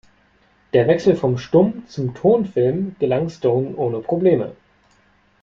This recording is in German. Der Wechsel vom Stumm- zum Tonfilm gelang Stone ohne Probleme.